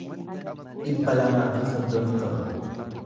dhibba lamaa fi soddomii torba